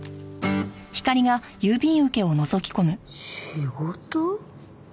仕事？